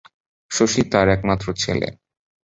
শশী তার একমাত্র ছেলে।